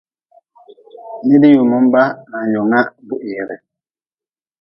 Nid-yumimba nanyunga buhire.